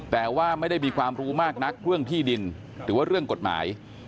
แต่ว่าไม่ได้มีความรู้มากนักเรื่องที่ดินหรือว่าเรื่องกฎหมาย